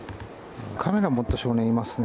カメラ持った少年がいますね。